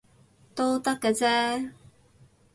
都得嘅啫